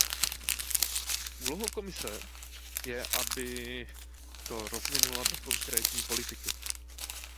Úlohou Komise je, aby to rozvinula do konkrétní politiky.